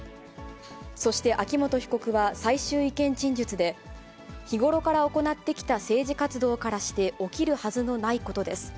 そして秋元被告は最終意見陳述で、日頃から行ってきた政治活動からして起きるはずのないことです。